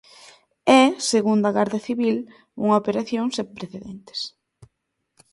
É, segundo a Garda Civil, unha operación sen precedentes.